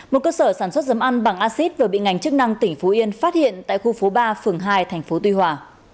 một cơ sở sản xuất giấm ăn bằng axit vừa bị ngành chức năng tỉnh phú yên phát hiện tại khu phố ba phường hai tp tuy hòa